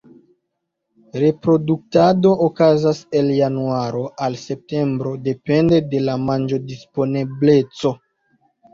Reproduktado okazas el januaro al septembro depende de la manĝodisponeblo.